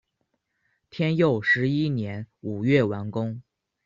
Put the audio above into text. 天佑十一年五月完工。